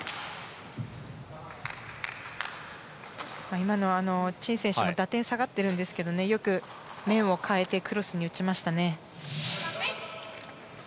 今のはチン選手も打点下がってるんですけどよく、面を変えてクロスを打ちましたね。